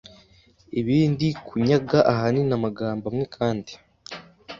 ibindi kunyaga, ahanini amagambo amwe kandi